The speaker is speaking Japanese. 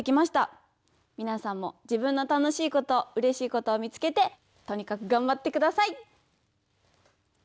みなさんも自分の楽しいことうれしいことを見つけてとにかくがんばってください！